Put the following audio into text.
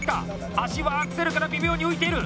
足はアクセルから微妙に浮いている。